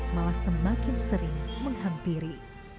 malah semakin sering menghampiri